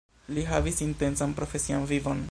Li havis intensan profesian vivon.